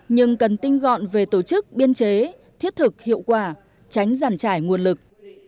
nhưng cần tinh gọn về tổ chức biên chế thiết thực hiệu quả tránh giàn trải nguồn lực